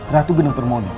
ratu genung permodi